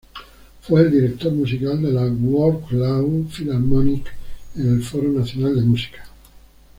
Fue el director musical de la Wroclaw Philharmonic en el Foro Nacional de Música.